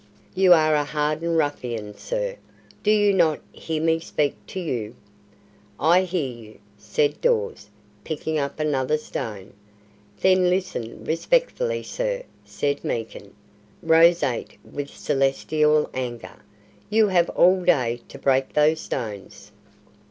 "You are a hardened ruffian, sir! Do you not hear me speak to you?" "I hear you," said Dawes, picking up another stone. "Then listen respectfully, sir," said Meekin, roseate with celestial anger. "You have all day to break those stones."